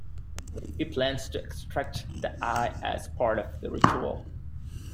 He plans to extract the eye as part of a ritual.